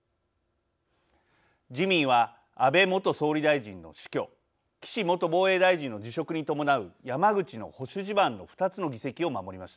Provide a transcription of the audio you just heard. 自民は安倍元総理大臣の死去岸元防衛大臣の辞職に伴う山口の保守地盤の２つの議席を守りました。